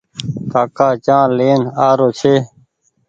ڪآڪآ چآنه لين آرو ڇي۔